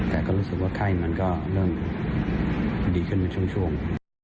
แต่ก็รู้สึกว่าไข้มันก็เริ่มดีขึ้นในช่วง